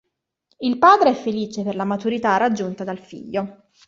Il padre è felice per la maturità raggiunta dal figlio.